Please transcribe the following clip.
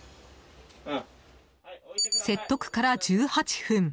説得から１８分。